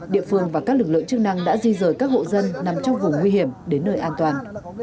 địa phương và các lực lượng chức năng đã di rời các hộ dân nằm trong vùng nguy hiểm đến nơi an toàn